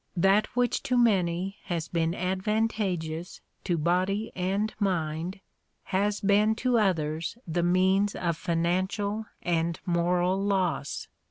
That which to many has been advantageous to body and mind has been to others the means of financial and moral loss.